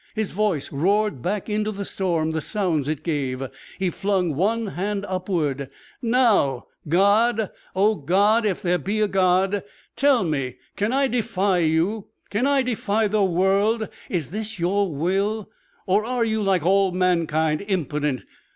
His voice roared back into the storm the sounds it gave. He flung one hand upward. "Now God oh, God if there be a God tell me! Can I defy You? Can I defy Your world? Is this Your will? Or are You, like all mankind, impotent?